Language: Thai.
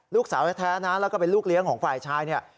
ลูกสาวแท้นะแล้วก็เป็นลูกเลี้ยงของฝ่ายชายเนี่ย